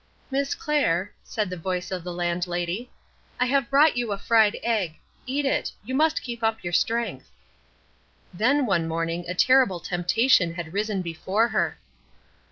"Miss Clair," said the voice of the Landlady, "I have brought you a fried egg. Eat it. You must keep up your strength." Then one morning a terrible temptation had risen before her.